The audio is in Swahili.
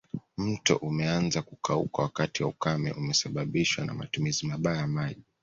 Mto umeanza kukauka wakati wa ukame umesababishwa na matumizi mabaya ya maji